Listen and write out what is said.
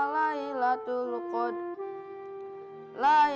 masih ada nasi